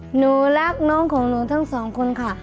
หนูรักน้องของหนูทั้งสองคนค่ะ